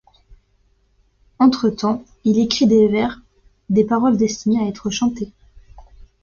Entretemps, il écrit des vers, des paroles destinées à être chantés.